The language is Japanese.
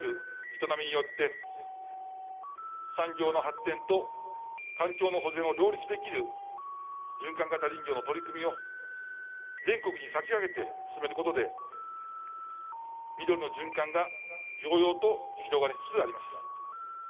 営みによって産業の発展と環境の保全を両立できる循環型林業の取り組みを全国に先駆けて進めることで緑の循環が揚々と広がりつつあります。